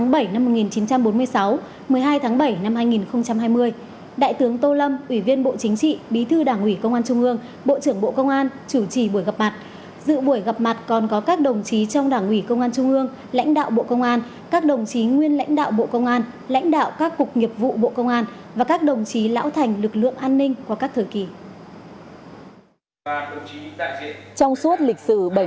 bộ trưởng tô lâm có các đồng chí trong đảng ủy công an trung ương lãnh đạo bộ công an các đồng chí nguyên lãnh đạo bộ công an lãnh đạo các cục nghiệp vụ bộ công an và các đồng chí lão thành lực lượng an ninh qua các thời kỳ